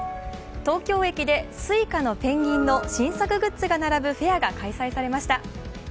東京駅でＳｕｉｃａのペンギンの新作グッズが並ぶフェアが開催されました。